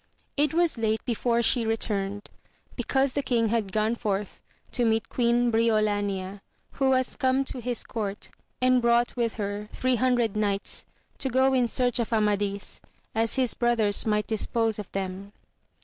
It was late before she returned, because the king had gone forth to meet Queen Briolania, who was come to his court, and brought with her three hundred knights to go in search of Amadis, as his brothers might dispose of them.